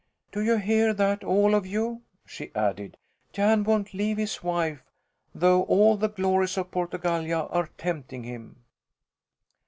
"Do you hear that, all of you?" she added. "Jan won't leave his wife though all the glories of Portugallia are tempting him."